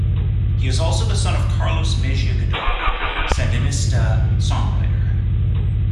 He is also the son of Carlos Mejia Godoy, Sandinista songwriter.